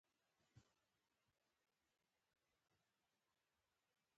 لکه څنګه چې ليدل کېږي